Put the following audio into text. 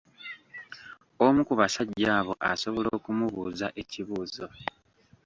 Omu ku basajja abo asobola okumubuuza ekibuuzo.